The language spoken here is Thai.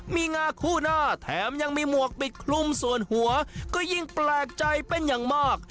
มีงาคู่หน้าแถมยังมีหมวกปิดคลุมส่วนหัวก็ยิ่งแปลกใจเป็นอย่างมาก